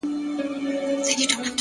كله !كله ديدنونه زما بــدن خــوري!